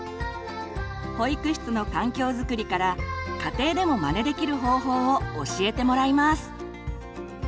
保育室の環境づくりから家庭でもまねできる方法を教えてもらいます。